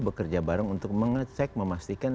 bekerja bareng untuk mengecek memastikan